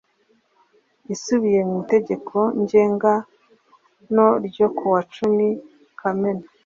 Isubiye ku Itegeko Ngenga no ryo kuwacumi kamena